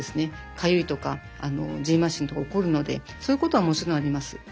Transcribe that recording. かゆいとかじんましんとか起こるのでそういうことはもちろんあります。